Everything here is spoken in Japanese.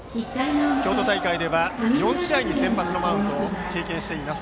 京都大会では４試合で先発のマウンドを経験しています。